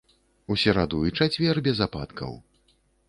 У сераду і чацвер без ападкаў.